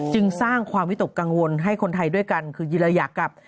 จึงสร้างความวิตกกังวลให้คนไทยด้วยกันคือยิระยากับ